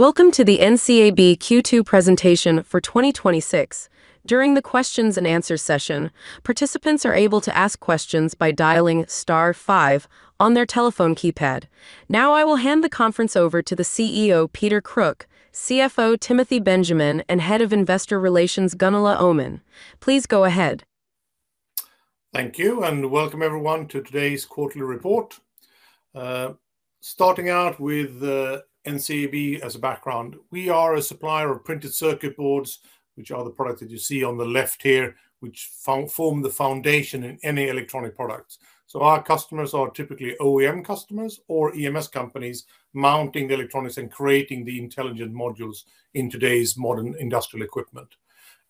Welcome to the NCAB Q2 presentation for 2026. During the questions-and-answers session, participants are able to ask questions by dialing star five on their telephone keypad. Now I will hand the conference over to the CEO, Peter Kruk, CFO, Timothy Benjamin, and Head of Investor Relations, Gunilla Öhman. Please go ahead. Thank you, welcome everyone to today's quarterly report. Starting out with NCAB as a background. We are a supplier of printed circuit boards, which are the products that you see on the left here, which form the foundation in any electronic products. Our customers are typically OEM customers or EMS companies mounting the electronics and creating the intelligent modules in today's modern industrial equipment.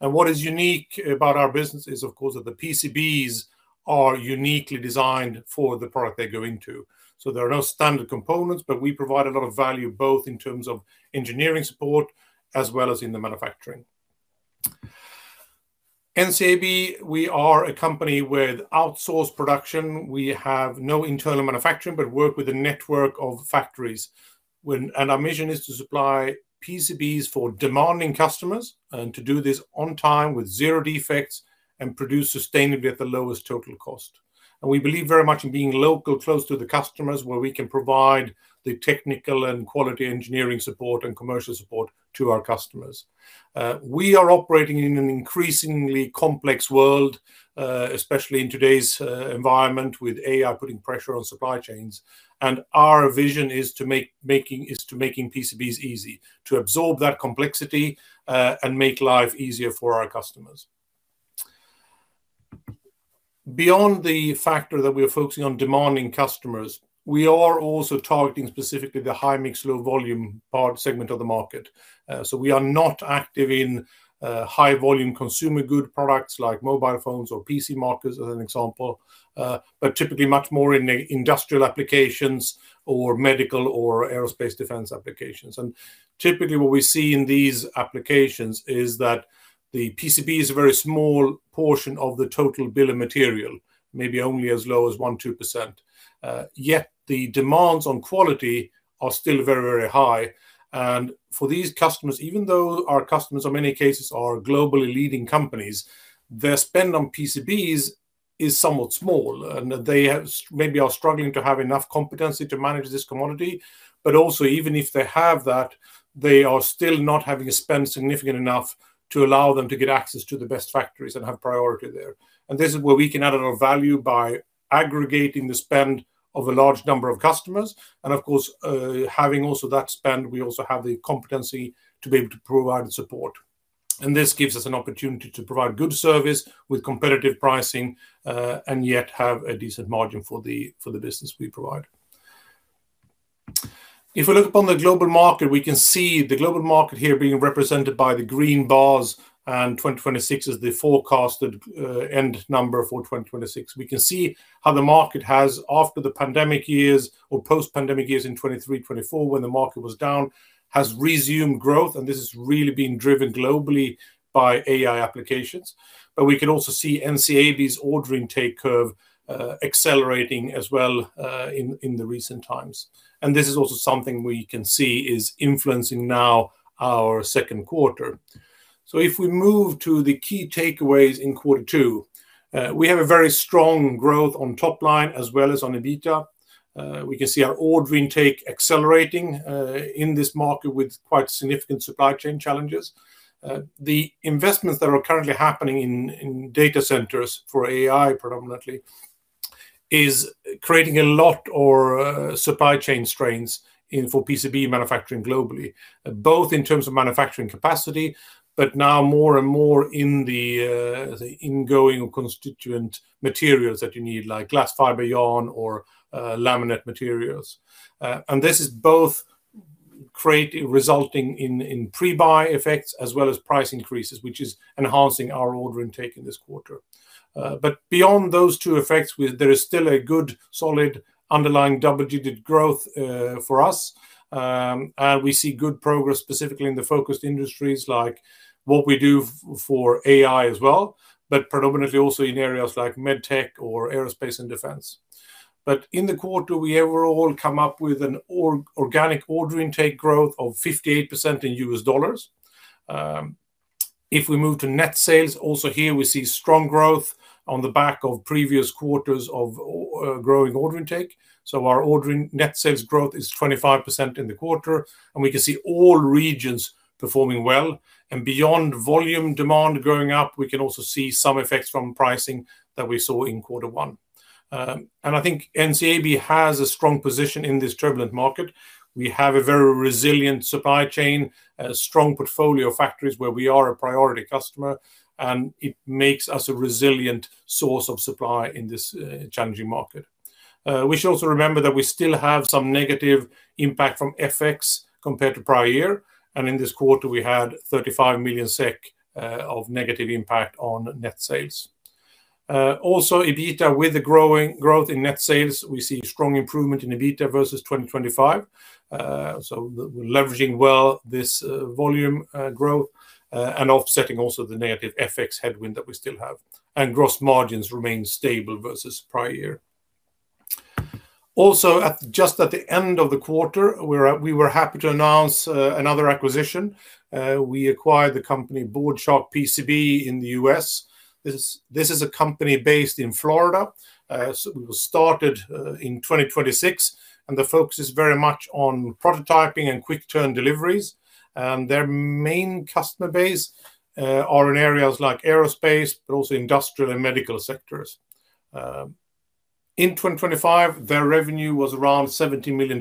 What is unique about our business is, of course, that the PCBs are uniquely designed for the product they're going to. There are no standard components, but we provide a lot of value, both in terms of engineering support as well as in the manufacturing. NCAB, we are a company with outsourced production. We have no internal manufacturing but work with a network of factories. Our mission is to supply PCBs for demanding customers and to do this on time with zero defects and produce sustainably at the lowest total cost. We believe very much in being local, close to the customers, where we can provide the technical and quality engineering support and commercial support to our customers. We are operating in an increasingly complex world, especially in today's environment with AI putting pressure on supply chains. Our vision is to making PCBs easy, to absorb that complexity, and make life easier for our customers. Beyond the factor that we are focusing on demanding customers, we are also targeting specifically the high-mix, low-volume part segment of the market. We are not active in high-volume consumer good products like mobile phones or PCs, as an example, but typically much more in the industrial applications or medical or aerospace defense applications. Typically what we see in these applications is that the PCB is a very small portion of the total bill of material, maybe only as low as 1%, 2%. Yet the demands on quality are still very high. For these customers, even though our customers in many cases are globally leading companies, their spend on PCBs is somewhat small, and they maybe are struggling to have enough competency to manage this commodity. Also even if they have that, they are still not having a spend significant enough to allow them to get access to the best factories and have priority there. This is where we can add a lot of value by aggregating the spend of a large number of customers. Of course, having also that spend, we also have the competency to be able to provide the support. This gives us an opportunity to provide good service with competitive pricing, yet have a decent margin for the business we provide. We look upon the global market, we can see the global market here being represented by the green bars, and 2026 is the forecasted end number for 2026. We can see how the market has, after the pandemic years or post-pandemic years in 2023, 2024, when the market was down, has resumed growth, and this has really been driven globally by AI applications. We can also see NCAB's ordering take curve accelerating as well in the recent times. This is also something we can see is influencing now our second quarter. If we move to the key takeaways in quarter two, we have a very strong growth on top line as well as on EBITA. We can see our order intake accelerating, in this market with quite significant supply chain challenges. The investments that are currently happening in data centers for AI predominantly is creating a lot of supply chain strains for PCB manufacturing globally, both in terms of manufacturing capacity, but now more and more in the ingoing constituent materials that you need, like glass fiber yarn or laminate materials. This is both create in resulting in pre-buy effects as well as price increases, which is enhancing our order intake in this quarter. Beyond those two effects, there is still a good, solid, underlying double-digit growth for us. We see good progress specifically in the focused industries like what we do for AI as well, but predominantly also in areas like medtech or aerospace and defense. In the quarter, we overall come up with an organic order intake growth of 58% in U.S. dollars. We move to net sales, also here we see strong growth on the back of previous quarters of growing order intake. Our net sales growth is 25% in the quarter, and we can see all regions performing well. Beyond volume demand going up, we can also see some effects from pricing that we saw in quarter one. I think NCAB has a strong position in this turbulent market. We have a very resilient supply chain, a strong portfolio of factories where we are a priority customer, and it makes us a resilient source of supply in this challenging market. We should also remember that we still have some negative impact from FX compared to prior year. In this quarter, we had 35 million SEK of negative impact on net sales. Also, EBITA, with the growth in net sales, we see strong improvement in EBITA versus 2025. We're leveraging well this volume growth, and offsetting also the negative FX headwind that we still have. Gross margins remain stable versus prior year. Just at the end of the quarter, we were happy to announce another acquisition. We acquired the company Board Shark PCB in the U.S. This is a company based in Florida. It was started in 2026, and the focus is very much on prototyping and quick turn deliveries. Their main customer base are in areas like aerospace, but also industrial and medical sectors. In 2025, their revenue was around $70 million.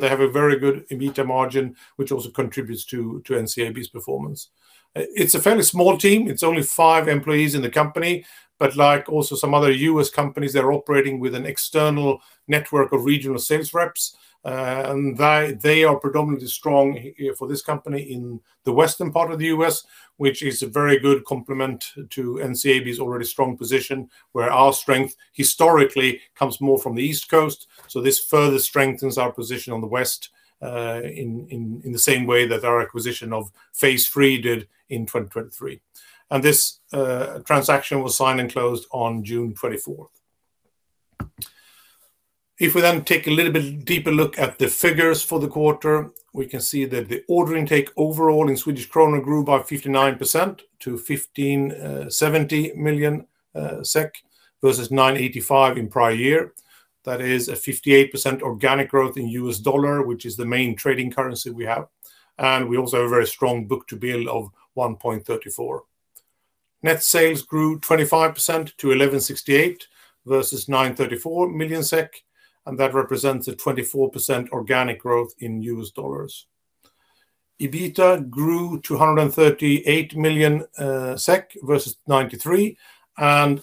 They have a very good EBITDA margin, which also contributes to NCAB's performance. It is a fairly small team. It is only five employees in the company, but like also some other U.S. companies, they are operating with an external network of regional sales reps. They are predominantly strong for this company in the western part of the U.S., which is a very good complement to NCAB's already strong position, where our strength historically comes more from the East Coast. This further strengthens our position on the West, in the same way that our acquisition of Phase 3 Technologies did in 2023. This transaction was signed and closed on June 24th. We take a little bit deeper look at the figures for the quarter, we can see that the order intake overall in Swedish krona grew by 59% to 1.570 billion SEK, versus 985 million in prior year. That is a 58% organic growth in U.S. dollars, which is the main trading currency we have. We also have a very strong book-to-bill of 1.34. Net sales grew 25% to 1.168 billion versus 934 million SEK, and that represents a 24% organic growth in U.S. dollars. EBITDA grew to 138 million SEK versus 93 million, and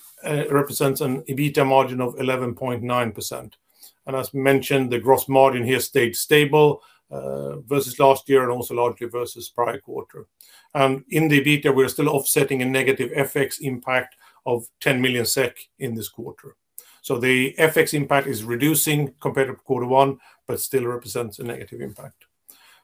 represents an EBITDA margin of 11.9%. As mentioned, the gross margin here stayed stable, versus last year and largely versus prior quarter. In the EBITDA, we are still offsetting a negative FX impact of 10 million SEK in this quarter. The FX impact is reducing compared to quarter one, but still represents a negative impact.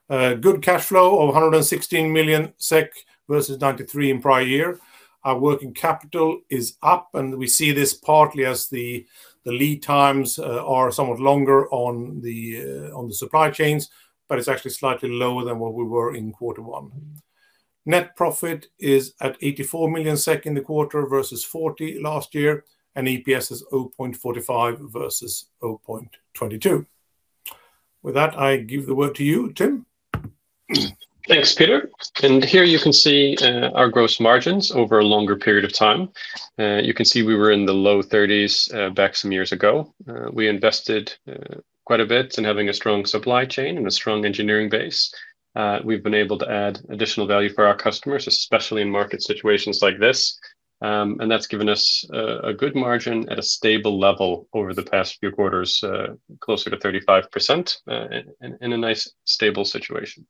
Good cash flow of 116 million SEK versus 93 million in prior year. Our working capital is up, and we see this partly as the lead times are somewhat longer on the supply chains, but it is actually slightly lower than where we were in quarter one. Net profit is at 84 million SEK in the quarter versus 40 million last year, and EPS is 0.45 versus 0.22. With that, I give the word to you, Tim. Thanks, Peter. Here you can see our gross margins over a longer period of time. You can see we were in the low 30s back some years ago. We invested quite a bit in having a strong supply chain and a strong engineering base. We have been able to add additional value for our customers, especially in market situations like this. That has given us a good margin at a stable level over the past few quarters, closer to 35%, in a nice stable situation.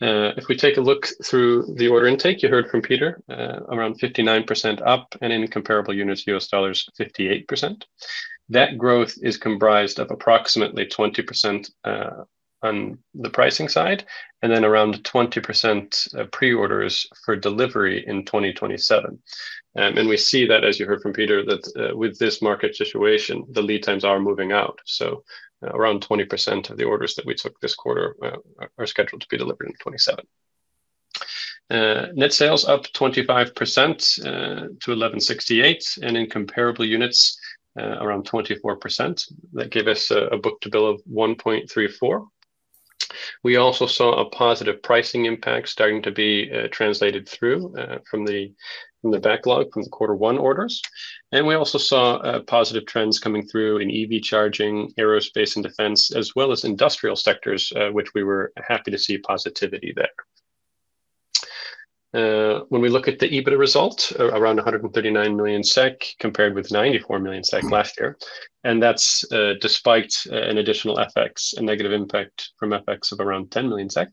We take a look through the order intake, you heard from Peter, around 59% up and in comparable units, U.S. dollars, 58%. That growth is comprised of approximately 20% on the pricing side, and around 20% pre-orders for delivery in 2027. We see that, as you heard from Peter, that with this market situation, the lead times are moving out. Around 20% of the orders that we took this quarter are scheduled to be delivered in 2027. Net sales up 25%, to 1.168 billion, and in comparable units, around 24%. That gave us a book-to-bill of 1.34. We also saw a positive pricing impact starting to be translated through from the backlog from the quarter one orders. We also saw positive trends coming through in EV charging, aerospace and defense, as well as industrial sectors, which we were happy to see positivity there. When we look at the EBITDA result, around 139 million SEK compared with 94 million SEK last year, and that's despite an additional FX, a negative impact from FX of around 10 million SEK.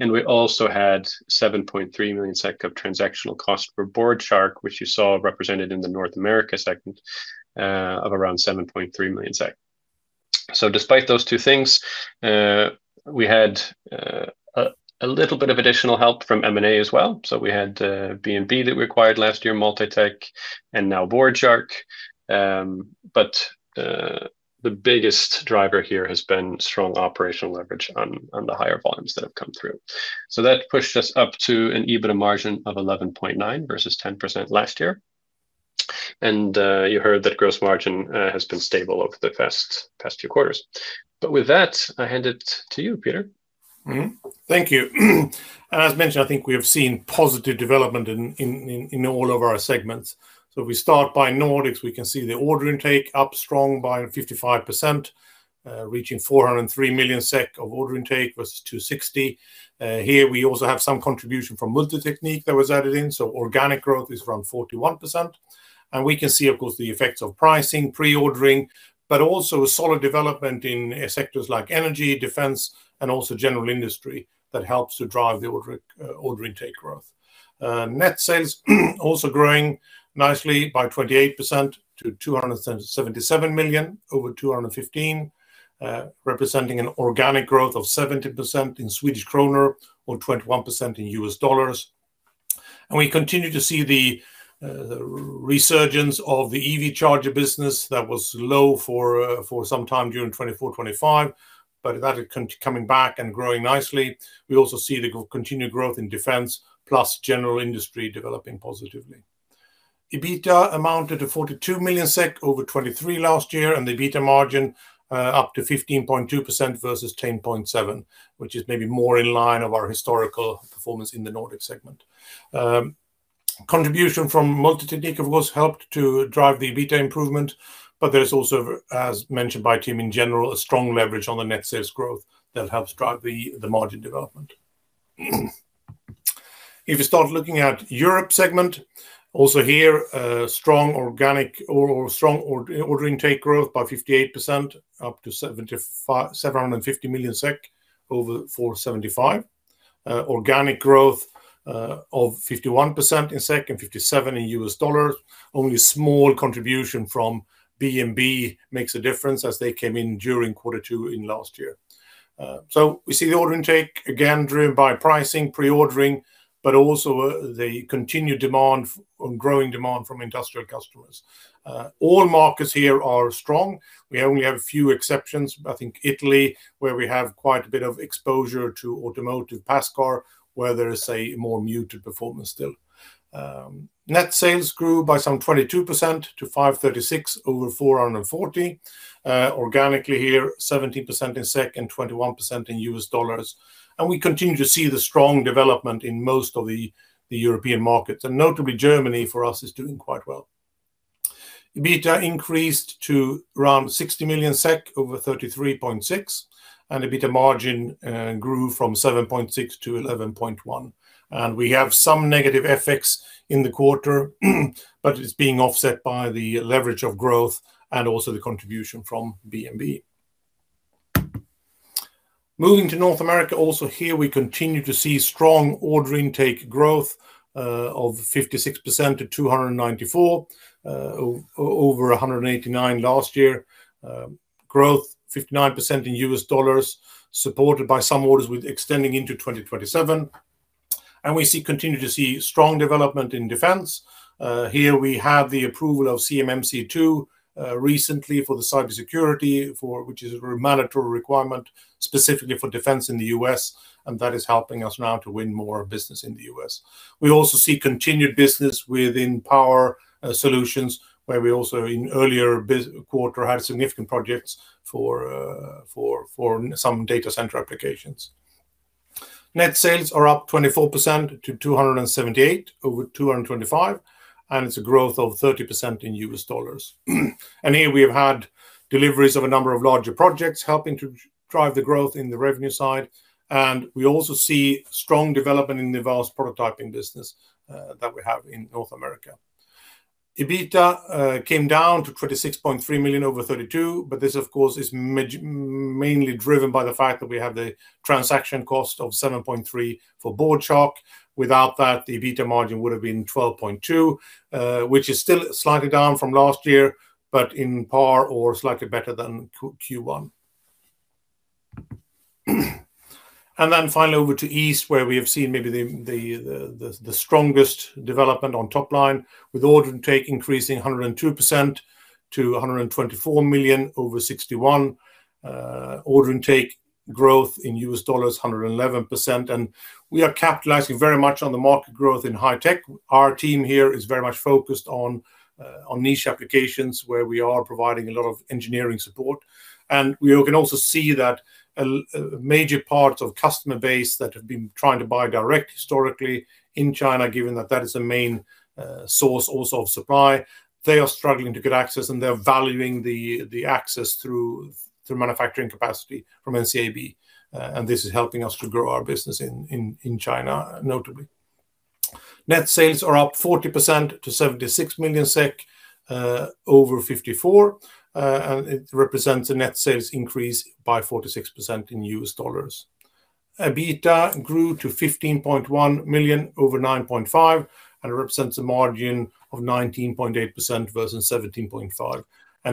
We also had 7.3 million SEK of transactional cost for Board Shark, which you saw represented in the North America segment, of around 7.3 million SEK. Despite those two things, we had a little bit of additional help from M&A as well. We had B&B that we acquired last year, Multi-Teknik, and now Board Shark. The biggest driver here has been strong operational leverage on the higher volumes that have come through. That pushed us up to an EBITDA margin of 11.9% versus 10% last year. You heard that gross margin has been stable over the past few quarters. With that, I hand it to you, Peter. Thank you. As mentioned, I think we have seen positive development in all of our segments. If we start by Nordics, we can see the order intake up strong by 55%, reaching 403 million SEK of order intake versus 260 million. Here we also have some contribution from Multi-Teknik that was added in, so organic growth is around 41%. We can see, of course, the effects of pricing, pre-ordering, but also a solid development in sectors like energy, defense, and also general industry that helps to drive the order intake growth. Net sales also growing nicely by 28% to 277 million, over 215 million, representing an organic growth of 70% in SEK or 21% in U.S. dollars. We continue to see the resurgence of the EV charger business that was low for some time during 2024, 2025, but that is coming back and growing nicely. We also see the continued growth in defense, plus general industry developing positively. EBITDA amounted to 42 million SEK over 23 million last year. The EBITDA margin up to 15.2% versus 10.7%, which is maybe more in line of our historical performance in the Nordics segment. Contribution from Multi-Teknik, of course, helped to drive the EBITDA improvement, but there's also, as mentioned by Tim, in general, a strong leverage on the net sales growth that helps drive the margin development. If you start looking at Europe segment, also here, strong order intake growth by 58%, up to 750 million SEK over 475 million. Organic growth of 51% in SEK and 57% in U.S. dolar Only a small contribution from B&B makes a difference as they came in during quarter two in last year. We see the order intake, again, driven by pricing, pre-ordering, but also the continued demand and growing demand from industrial customers. All markets here are strong. We only have a few exceptions. Italy, where we have quite a bit of exposure to automotive passenger car, where there is a more muted performance still. Net sales grew by some 22% to 536 million over 440 million. Organically here, 17% in SEK and 21% in U.S. dollars. We continue to see the strong development in most of the European markets. Notably, Germany, for us, is doing quite well. EBITDA increased to around 60 million SEK over 33.6 million, and EBITDA margin grew from 7.6%-11.1%. We have some negative FX in the quarter, but it is being offset by the leverage of growth and also the contribution from B&B. Moving to North America, also here, we continue to see strong order intake growth of 56% to 294 million over 189 million last year. Growth 59% in U.S. dollars, supported by some orders with extending into 2027. We continue to see strong development in defense. Here we have the approval of CMMC 2 recently for the cybersecurity, which is a mandatory requirement specifically for defense in the U.S., and that is helping us now to win more business in the U.S. We also see continued business within power solutions, where we also, in earlier quarter, had significant projects for some data center applications. Net sales are up 24% to 278 million over 225 million, and it is a growth of 30% in U.S. dollars. Here we have had deliveries of a number of larger projects helping to drive the growth in the revenue side.. We also see strong development in Nivas prototyping business that we have in North America. EBITDA came down to 26.3 million over 32 million, but this, of course, is mainly driven by the fact that we have the transaction cost of 7.3 million for Board Shark. Without that, the EBITDA margin would have been 12.2%, which is still slightly down from last year, but in par or slightly better than Q1. Finally, over to East, where we have seen maybe the strongest development on top line, with order intake increasing 102% to 124 million over 61 million. Order intake growth in U.S. dollars, 111%. We are capitalizing very much on the market growth in high tech. Our team here is very much focused on niche applications where we are providing a lot of engineering support. We can also see that a major part of customer base that have been trying to buy direct historically in China, given that that is a main source also of supply, they are struggling to get access, and they are valuing the access through manufacturing capacity from NCAB. This is helping us to grow our business in China, notably. Net sales are up 40% to 76 million SEK over 54 million, and it represents a net sales increase by 46% in U.S. dollars. EBITDA grew to 15.1 million over 9.5 million and represents a margin of 19.8% versus 17.5%.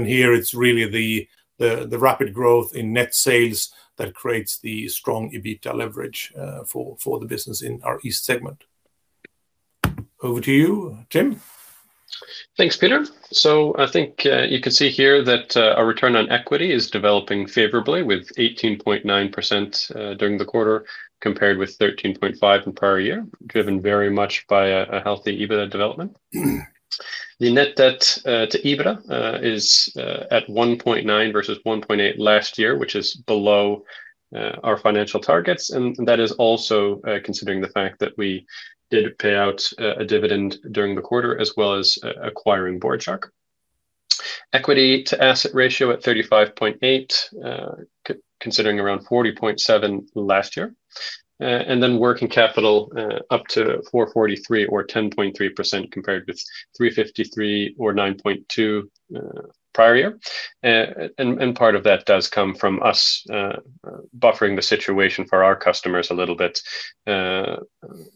Here it is really the rapid growth in net sales that creates the strong EBITDA leverage for the business in our East segment. Over to you, Tim. Thanks, Peter. I think you can see here that our return on equity is developing favorably with 18.9% during the quarter, compared with 13.5% in prior year, driven very much by a healthy EBITA development. The net debt to EBITA is at 1.9 versus 1.8 last year, which is below our financial targets, and that is also considering the fact that we did pay out a dividend during the quarter, as well as acquiring Board Shark. Equity to asset ratio at 35.8%, considering around 40.7% last year. Working capital up to 443 or 10.3% compared with 353 or 9.2% prior year. Part of that does come from us buffering the situation for our customers a little bit, and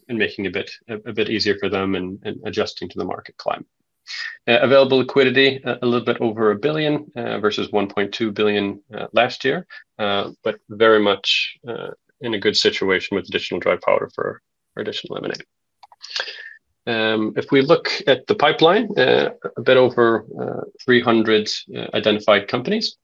making a bit easier for them and adjusting to the market climb. Available liquidity, a little bit over 1 billion versus 1.2 billion last year. Very much in a good situation with additional dry powder for additional M&A. If we look at the pipeline, a bit over 300 identified companies.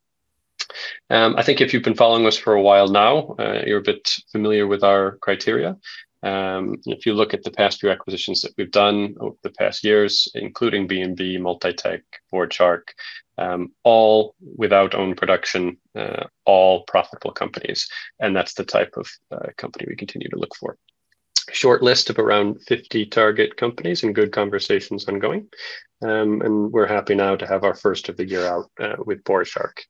I think if you've been following us for a while now, you're a bit familiar with our criteria. If you look at the past few acquisitions that we've done over the past years, including B&B, Multi-Teknik, Board Shark, all without own production, all profitable companies, and that's the type of company we continue to look for. Shortlist of around 50 target companies and good conversations ongoing. We're happy now to have our first of the year out with Board Shark.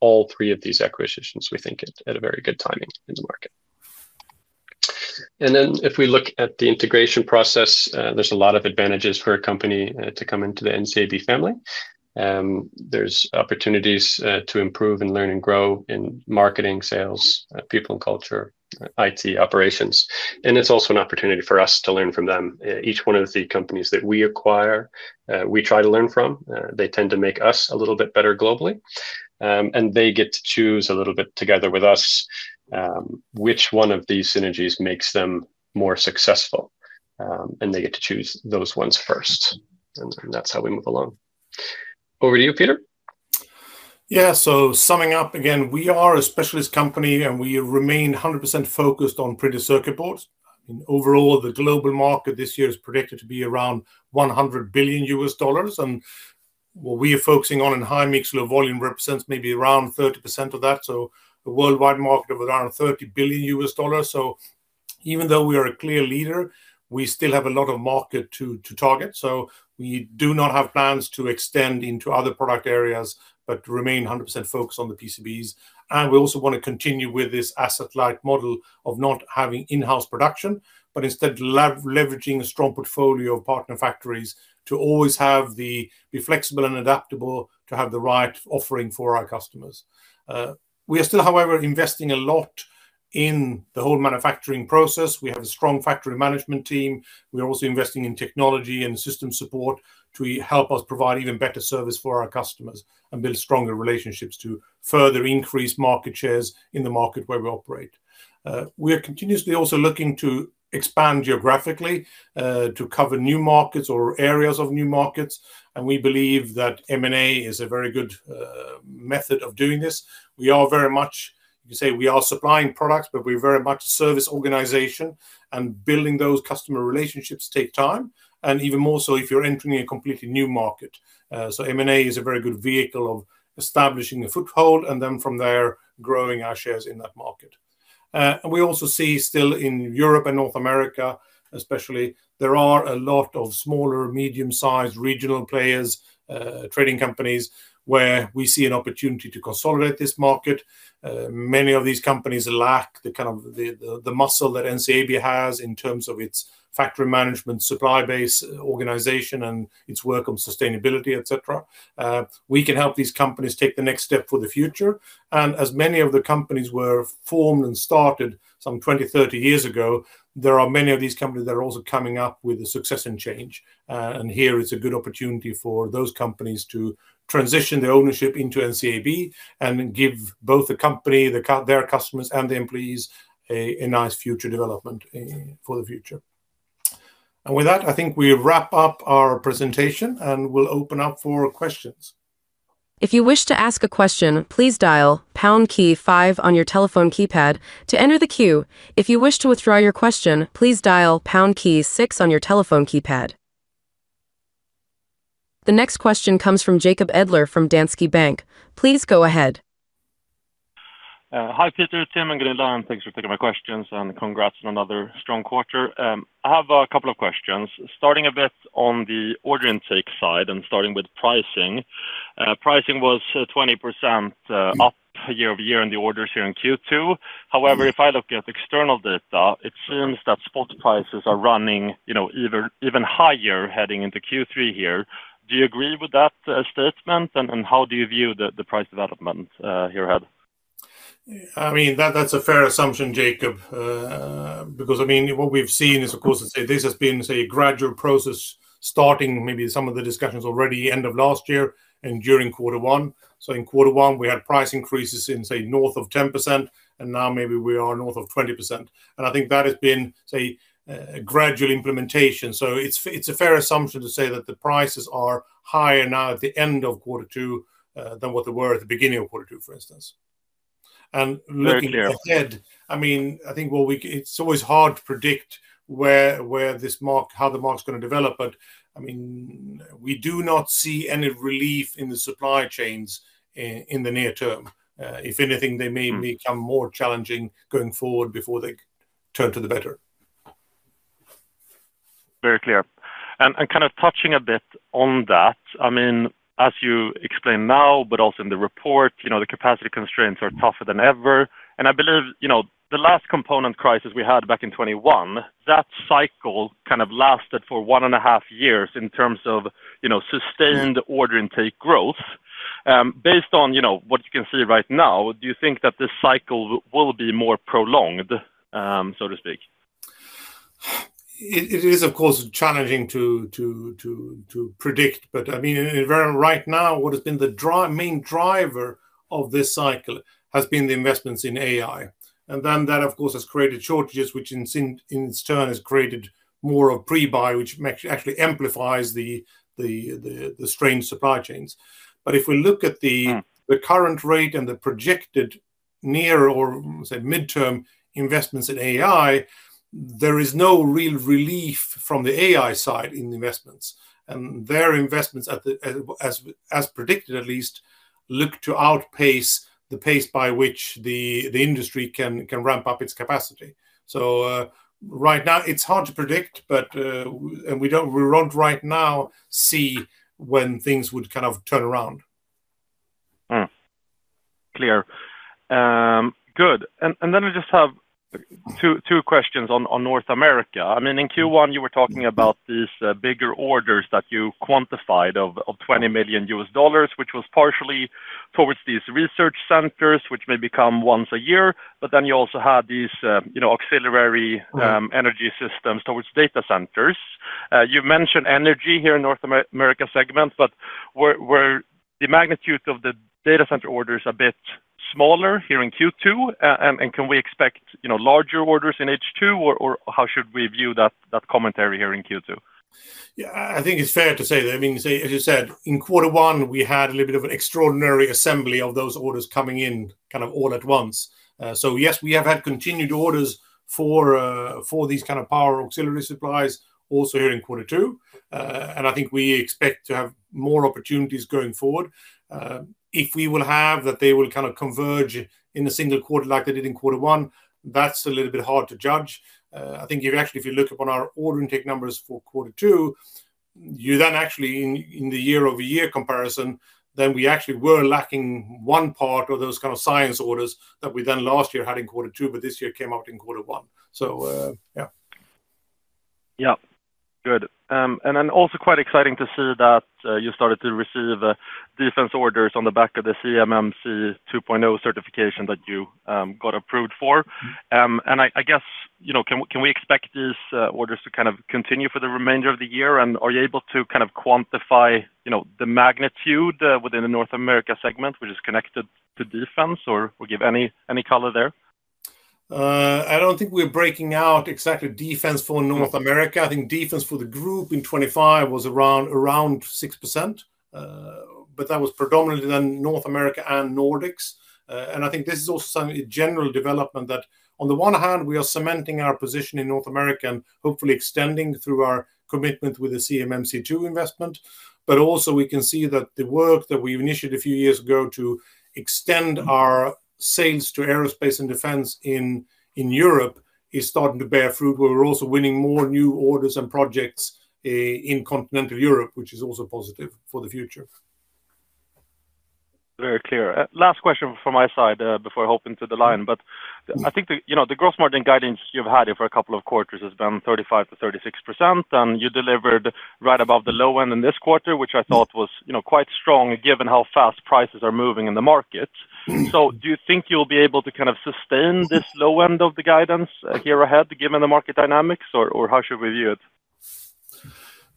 All three of these acquisitions, we think, at a very good timing in the market. If we look at the integration process, there's a lot of advantages for a company to come into the NCAB family. There's opportunities to improve and learn and grow in marketing, sales, people and culture, IT, operations, and it's also an opportunity for us to learn from them. Each one of the companies that we acquire, we try to learn from. They tend to make us a little bit better globally. They get to choose a little bit together with us, which one of these synergies makes them more successful, and they get to choose those ones first. That's how we move along. Over to you, Peter. Summing up, again, we are a specialist company, and we remain 100% focused on printed circuit boards. Overall, the global market this year is predicted to be around $100 billion. What we are focusing on in high-mix, low-volume represents maybe around 30% of that, so a worldwide market of around $30 billion. Even though we are a clear leader, we still have a lot of market to target. We do not have plans to extend into other product areas, but remain 100% focused on the PCBs. We also want to continue with this asset-light model of not having in-house production, but instead leveraging a strong portfolio of partner factories to always be flexible and adaptable to have the right offering for our customers. We are still, however, investing a lot in the whole manufacturing process. We have a strong factory management team. We are also investing in technology and system support to help us provide even better service for our customers and build stronger relationships to further increase market shares in the market where we operate. We are continuously also looking to expand geographically, to cover new markets or areas of new markets. We believe that M&A is a very good method of doing this. We are supplying products, but we're very much a service organization, and building those customer relationships take time, and even more so if you're entering a completely new market. M&A is a very good vehicle of establishing a foothold, and then from there, growing our shares in that market. We also see still in Europe and North America, especially, there are a lot of smaller, medium-sized regional players, trading companies, where we see an opportunity to consolidate this market. Many of these companies lack the kind of muscle that NCAB has in terms of its factory management, supply base, organization, and its work on sustainability, et cetera. We can help these companies take the next step for the future, as many of the companies were formed and started some 20, 30 years ago, there are many of these companies that are also coming up with a succession and change. Here is a good opportunity for those companies to transition their ownership into NCAB and give both the company, their customers, and the employees a nice future development for the future. With that, I think we wrap up our presentation, and we'll open up for questions. If you wish to ask a question, please dial pound key five on your telephone keypad to enter the queue. If you wish to withdraw your question, please dial pound key six on your telephone keypad. The next question comes from Jacob Edler from Danske Bank. Please go ahead. Hi, Peter, Tim, and Gunilla. Thanks for taking my questions, and congrats on another strong quarter. I have a couple of questions. Starting a bit on the order intake side and starting with pricing. Pricing was 20% up year-over-year in the orders here in Q2. If I look at external data, it seems that spot prices are running even higher heading into Q3 here. Do you agree with that statement, and how do you view the price development here ahead? That's a fair assumption, Jacob, because what we've seen is, of course, this has been a gradual process, starting maybe some of the discussions already end of last year and during quarter one. In quarter one, we had price increases in say north of 10%, and now maybe we are north of 20%. I think that has been a gradual implementation. It's a fair assumption to say that the prices are higher now at the end of quarter two, than what they were at the beginning of quarter two, for instance. Looking ahead. Very clear. I think it's always hard to predict how the market's going to develop, but we do not see any relief in the supply chains in the near term. If anything, they may become more challenging going forward before they turn to the better. Very clear. Touching a bit on that, as you explain now, but also in the report, the capacity constraints are tougher than ever. I believe the last component crisis we had back in 2021, that cycle kind of lasted for one and a half years in terms of sustained order intake growth. Based on what you can see right now, do you think that this cycle will be more prolonged, so to speak? It is, of course, challenging to predict. Right now, what has been the main driver of this cycle has been the investments in AI. That, of course, has created shortages, which in turn has created more of pre-buy, which actually amplifies the strained supply chains. If we look at the current rate and the projected near, or say midterm, investments in AI, there is no real relief from the AI side in the investments. Their investments, as predicted at least, look to outpace the pace by which the industry can ramp up its capacity. Right now, it's hard to predict, and we won't right now see when things would turn around. Mm. Clear. Good. I just have two questions on North America. In Q1, you were talking about these bigger orders that you quantified of $20 million, which was partially towards these research centers, which may become once a year. You also had these auxiliary energy systems towards data centers. You've mentioned energy here in North America segment, were the magnitude of the data center orders a bit smaller here in Q2, can we expect larger orders in H2, or how should we view that commentary here in Q2? It's fair to say that. As you said, in quarter one, we had a little bit of an extraordinary assembly of those orders coming in all at once. Yes, we have had continued orders for these kind of power auxiliary supplies also here in quarter two. We expect to have more opportunities going forward. If we will have that they will kind of converge in a single quarter like they did in quarter one, that's a little bit hard to judge. If you look upon our order intake numbers for quarter two, you then actually, in the year-over-year comparison, then we actually were lacking one part of those kind of science orders that we then last year had in quarter two, but this year came out in quarter one. Good. Also quite exciting to see that you started to receive defense orders on the back of the CMMC 2.0 certification that you got approved for. I guess, can we expect these orders to continue for the remainder of the year, and are you able to quantify the magnitude within the North America segment, which is connected to defense? Give any color there? I don't think we're breaking out exactly defense for North America. Defense for the group in 2025 was around 6%, but that was predominantly then North America and Nordics. This is also a general development that, on the one hand, we are cementing our position in North America and hopefully extending through our commitment with the CMMC 2 investment. Also, we can see that the work that we initiated a few years ago to extend our sales to aerospace and defense in Europe is starting to bear fruit, where we're also winning more new orders and projects in continental Europe, which is also positive for the future. Very clear. Last question from my side before I hop into the line. The gross margin guidance you've had for a couple of quarters has been 35%-36%, and you delivered right above the low end in this quarter, which I thought was quite strong given how fast prices are moving in the market. Do you think you'll be able to sustain this low end of the guidance here ahead, given the market dynamics, or how should we view it?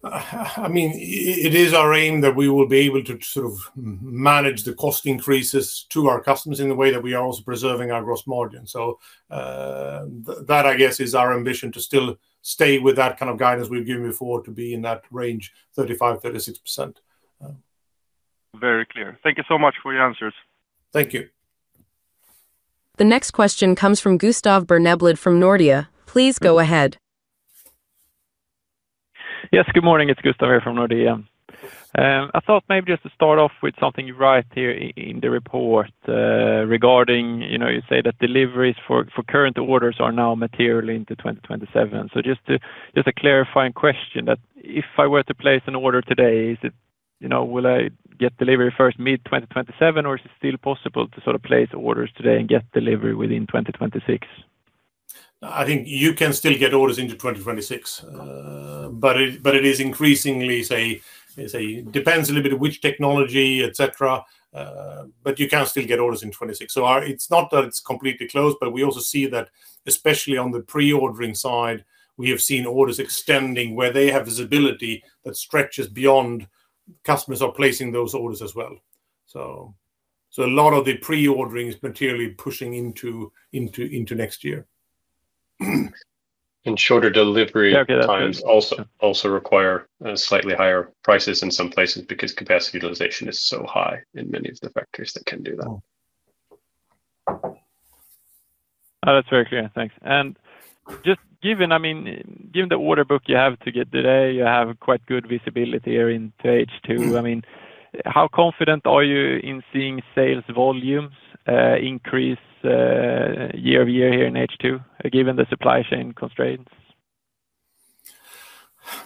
It is our aim that we will be able to manage the cost increases to our customers in the way that we are also preserving our gross margin. That, I guess, is our ambition, to still stay with that kind of guidance we've given before, to be in that range, 35%-36%. Very clear. Thank you so much for your answers. Thank you. The next question comes from Gustav Berneblad from Nordea. Please go ahead. Yes, good morning. It's Gustav here from Nordea. I thought maybe just to start off with something you write here in the report regarding, you say that deliveries for current orders are now materially into 2027. Just a clarifying question. That if I were to place an order today, will I get delivery first mid-2027, or is it still possible to place orders today and get delivery within 2026? I think you can still get orders into 2026. It is increasingly, say, depends a little bit which technology, et cetera. You can still get orders in 2026. It's not that it's completely closed, but we also see that, especially on the pre-ordering side, we have seen orders extending where they have visibility that stretches beyond customers are placing those orders as well. A lot of the pre-ordering is materially pushing into next year. Shorter delivery times also require slightly higher prices in some places because capacity utilization is so high in many of the factories that can do that. That's very clear. Thanks. Just given the order book you have to get today, you have quite good visibility here into H2. How confident are you in seeing sales volumes increase year-over-year here in H2, given the supply chain constraints?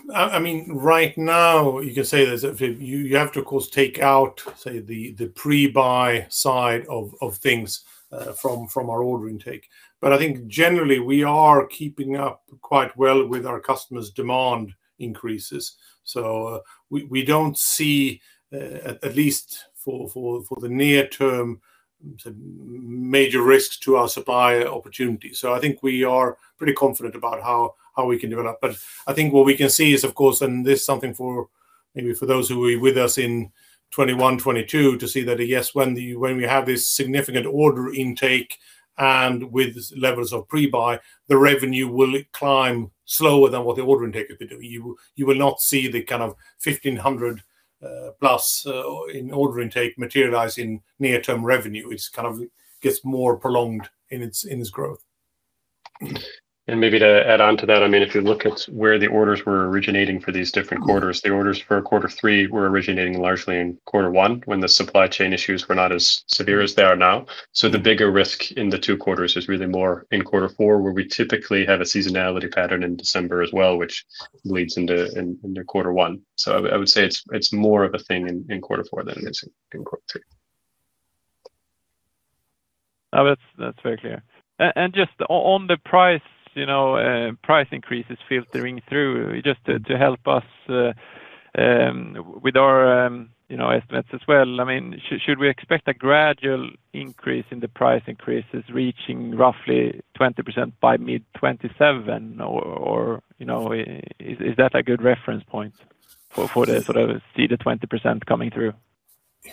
Right now, you can say this, you have to, of course, take out, say, the pre-buy side of things from our order intake. I think generally, we are keeping up quite well with our customers' demand increases. We don't see, at least for the near term, major risks to our supply opportunity. I think we are pretty confident about how we can develop. I think what we can see is, of course, this is something for Maybe for those who were with us in 2021, 2022, to see that, yes, when we have this significant order intake and with levels of pre-buy, the revenue will climb slower than what the order intake would do. You will not see the 1,500+ in order intake materialize in near-term revenue. It gets more prolonged in its growth. Maybe to add on to that, if you look at where the orders were originating for these different quarters, the orders for quarter three were originating largely in quarter one when the supply chain issues were not as severe as they are now. The bigger risk in the two quarters is really more in quarter four, where we typically have a seasonality pattern in December as well, which leads into quarter one. I would say it's more of a thing in quarter four than it is in quarter two. That's very clear. Just on the price increases filtering through, just to help us with our estimates as well, should we expect a gradual increase in the price increases reaching roughly 20% by mid 2027? Is that a good reference point for the sort of see the 20% coming through?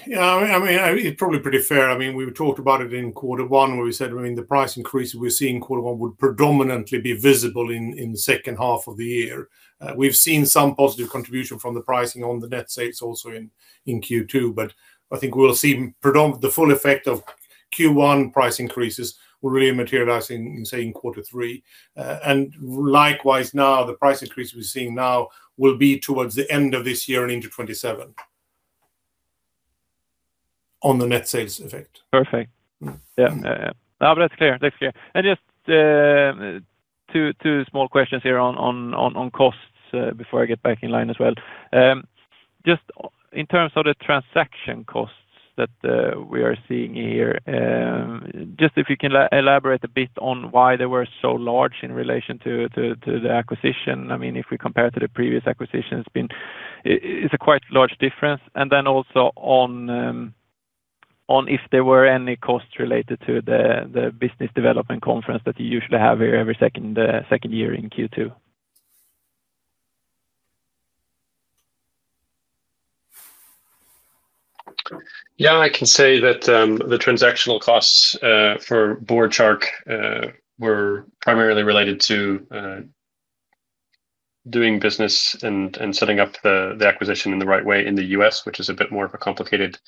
Yeah. It's probably pretty fair. We talked about it in quarter one, where we said the price increase we see in quarter one would predominantly be visible in the second half of the year. We've seen some positive contribution from the pricing on the net sales also in Q2, but I think we'll see the full effect of Q1 price increases will really materialize in, say, in quarter three. Likewise now, the price increase we're seeing now will be towards the end of this year and into 2027, on the net sales effect. Perfect. Yeah. No, that's clear. Just two small questions here on costs before I get back in line as well. Just in terms of the transaction costs that we are seeing here, just if you can elaborate a bit on why they were so large in relation to the acquisition. If we compare to the previous acquisition, it's a quite large difference. Then also on if there were any costs related to the business development conference that you usually have here every second year in Q2. Yeah, I can say that the transactional costs for Board Shark were primarily related to doing business and setting up the acquisition in the right way in the U.S., which is a bit more of a complicated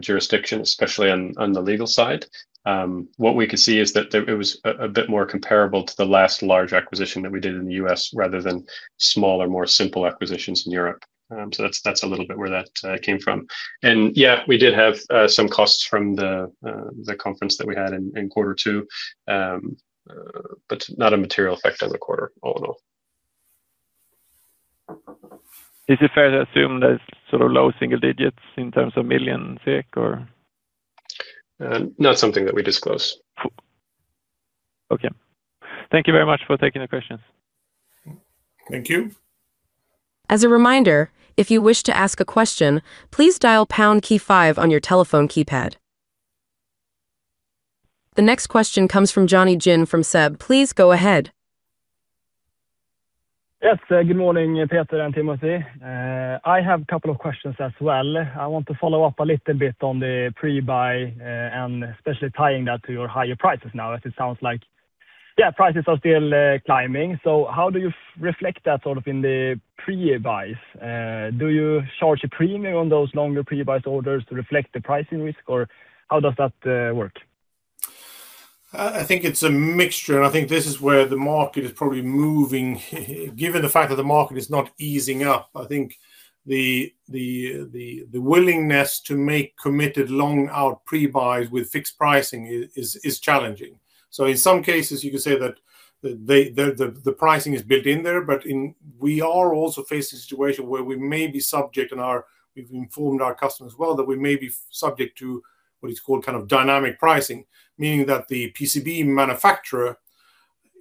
jurisdiction, especially on the legal side. What we could see is that it was a bit more comparable to the last large acquisition that we did in the U.S., rather than smaller, more simple acquisitions in Europe. That's a little bit where that came from. Yeah, we did have some costs from the conference that we had in quarter two, but not a material effect on the quarter, all in all. Is it fair to assume that it's low single digits in terms of million SEK, or? Not something that we disclose. Okay. Thank you very much for taking the questions. Thank you. As a reminder, if you wish to ask a question, please dial pound key five on your telephone keypad. The next question comes from Jonny Jin from SEB. Please go ahead. Yes. Good morning, Peter and Timothy. I have a couple of questions as well. I want to follow up a little bit on the pre-buy, and especially tying that to your higher prices now, as it sounds like prices are still climbing. How do you reflect that in the pre-buys? Do you charge a premium on those longer pre-buy orders to reflect the pricing risk, or how does that work? I think it's a mixture. I think this is where the market is probably moving. Given the fact that the market is not easing up, I think the willingness to make committed long out pre-buys with fixed pricing is challenging. In some cases, you can say that the pricing is built in there, but we are also facing a situation where we may be subject, and we've informed our customers as well, that we may be subject to what is called dynamic pricing, meaning that the PCB manufacturer,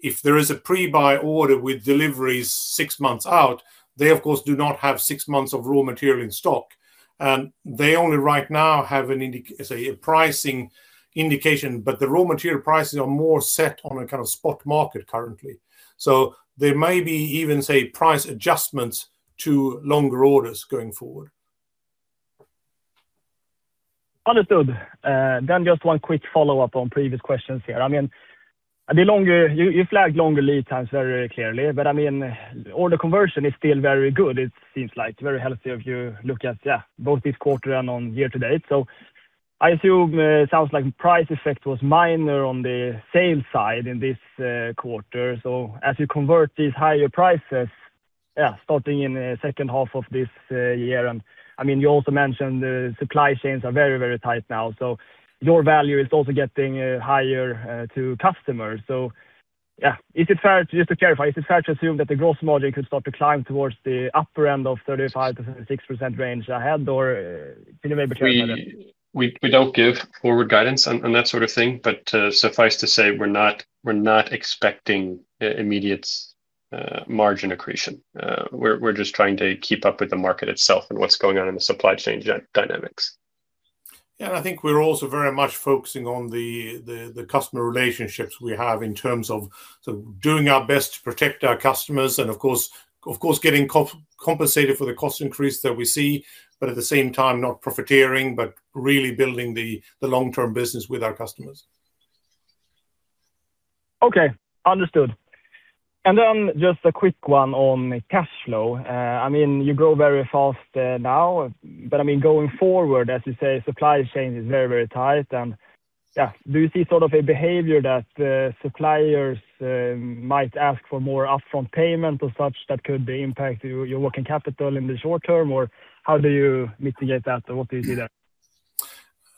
if there is a pre-buy order with deliveries six months out, they of course do not have six months of raw material in stock. They only right now have a pricing indication, but the raw material prices are more set on a kind of spot market currently. There may be even, say, price adjustments to longer orders going forward. Understood. Just one quick follow-up on previous questions here. You flagged longer lead times very clearly, order conversion is still very good, it seems like. Very healthy if you look at both this quarter and on year-to-date. I assume it sounds like price effect was minor on the sales side in this quarter. As you convert these higher prices starting in the second half of this year, you also mentioned the supply chains are very, very tight now, your value is also getting higher to customers. Just to clarify, is it fair to assume that the gross margin could start to climb towards the upper end of 35%-36% range ahead, or can you maybe comment on that? We don't give forward guidance on that sort of thing, suffice to say, we're not expecting immediate margin accretion. We're just trying to keep up with the market itself and what's going on in the supply chain dynamics. I think we're also very much focusing on the customer relationships we have in terms of doing our best to protect our customers and, of course, getting compensated for the cost increase that we see, but at the same time, not profiteering, but really building the long-term business with our customers. Okay. Understood. Then just a quick one on cash flow. You grow very fast now, but going forward, as you say, supply chain is very tight and, yeah. Do you see a behavior that suppliers might ask for more upfront payment, or such, that could impact your working capital in the short term? How do you mitigate that, or what do you see there?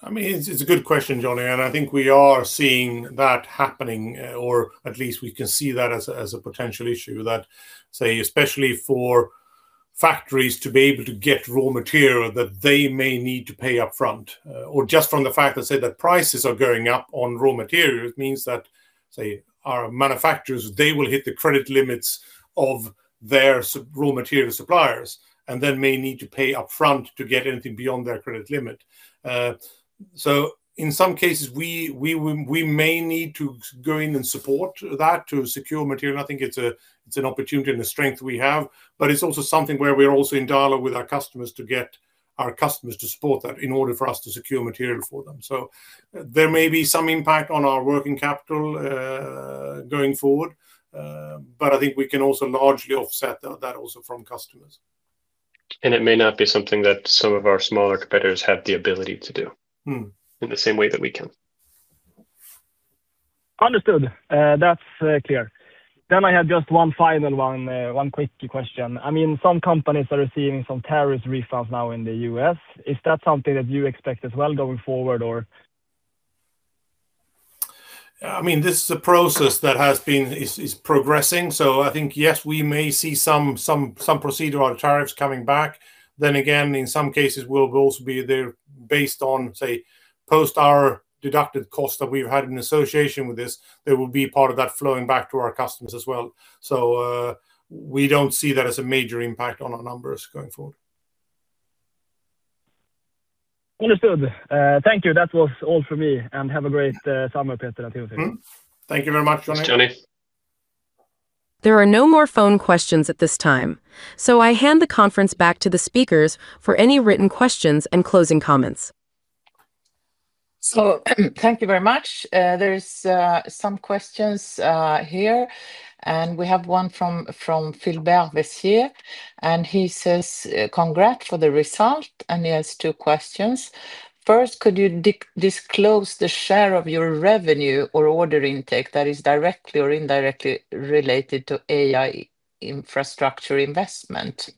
It's a good question, Jonny, I think we are seeing that happening, or at least we can see that as a potential issue that, say, especially for factories to be able to get raw material that they may need to pay upfront. Just from the fact that prices are going up on raw materials means that our manufacturers, they will hit the credit limits of their raw material suppliers, and then may need to pay upfront to get anything beyond their credit limit. In some cases, we may need to go in and support that to secure material, and I think it's an opportunity and a strength we have, but it's also something where we are also in dialogue with our customers to get our customers to support that in order for us to secure material for them. There may be some impact on our working capital, going forward, but I think we can also largely offset that also from customers. It may not be something that some of our smaller competitors have the ability to do in the same way that we can. Understood. That's clear. I have just one final one quick question. Some companies are receiving some tariff refunds now in the U.S. Is that something that you expect as well going forward, or? This is a process that is progressing. I think, yes, we may see some procedure on tariffs coming back. In some cases will also be there based on, say, post our deducted cost that we've had in association with this, there will be part of that flowing back to our customers as well. We don't see that as a major impact on our numbers going forward. Understood. Thank you. That was all from me, and have a great summer, Peter and Timothy. Thank you very much, Jonny. Thanks, Jonny. There are no more phone questions at this time. I hand the conference back to the speakers for any written questions and closing comments. Thank you very much. There's some questions here. We have one from Phil Bervesier. He says, "Congrats for the result." He has two questions. First, could you disclose the share of your revenue or order intake that is directly or indirectly related to AI infrastructure investment?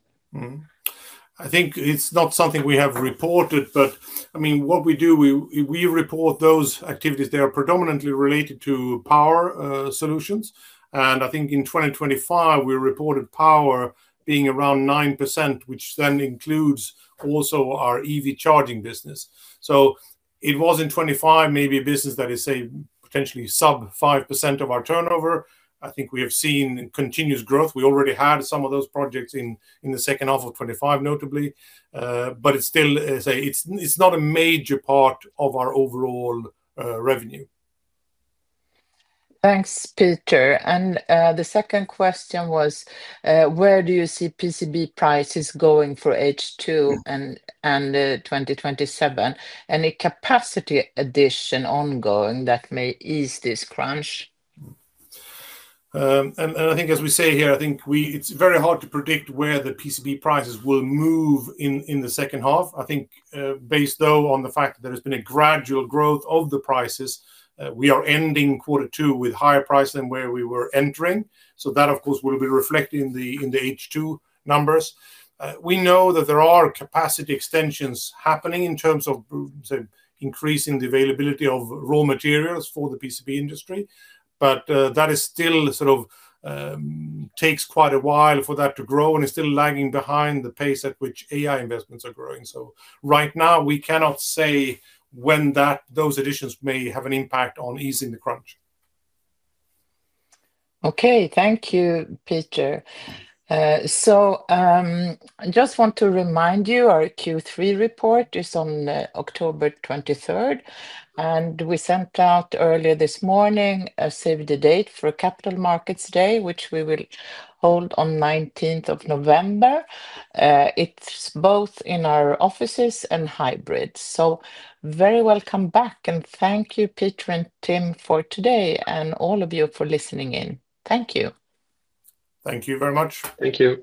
It's not something we have reported, but what we do, we report those activities. They are predominantly related to power solutions. In 2025, we reported power being around 9%, which then includes also our EV charging business. It was in 2025, maybe a business that is, say, potentially sub 5% of our turnover. We have seen continuous growth. We already had some of those projects in the second half of 2025 notably. It's not a major part of our overall revenue. Thanks, Peter. The second question was, where do you see PCB prices going for H2 and 2027? Any capacity addition ongoing that may ease this crunch? As we say here, it's very hard to predict where the PCB prices will move in the second half. Based, though, on the fact that there has been a gradual growth of the prices, we are ending quarter two with higher price than where we were entering. That, of course, will be reflected in the H2 numbers. We know that there are capacity extensions happening in terms of increasing the availability of raw materials for the PCB industry. That still takes quite a while for that to grow and is still lagging behind the pace at which AI investments are growing. Right now we cannot say when those additions may have an impact on easing the crunch. Okay. Thank you, Peter. I just want to remind you, our Q3 report is on October 23rd. We sent out earlier this morning a save the date for Capital Markets Day, which we will hold on 19th of November. It's both in our offices and hybrid. Very welcome back, thank you, Peter and Tim, for today. All of you for listening in. Thank you. Thank you very much. Thank you